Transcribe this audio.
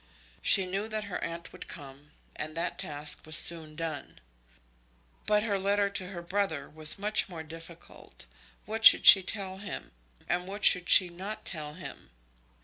She knew that her aunt would come, and that task was soon done. But her letter to her brother was much more difficult. What should she tell him, and what should she not tell him?